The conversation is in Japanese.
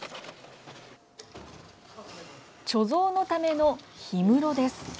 貯蔵のための氷室です。